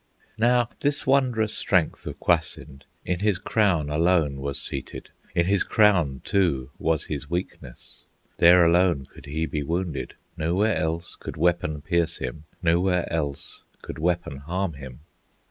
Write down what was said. Now this wondrous strength of Kwasind In his crown alone was seated; In his crown too was his weakness; There alone could he be wounded, Nowhere else could weapon pierce him, Nowhere else could weapon harm him.